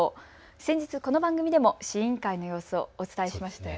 先日、この番組でも試飲会の様子をお伝えしました。